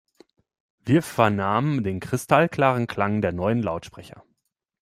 Wir vernahmen den kristallklaren Klang der neuen Lautsprecher.